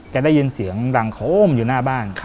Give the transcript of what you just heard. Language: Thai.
ได้ยินเสียงดังโค้มอยู่หน้าบ้าน